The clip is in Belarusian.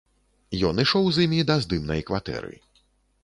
Ён ішоў з імі да здымнай кватэры.